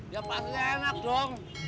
ya pastinya enak dong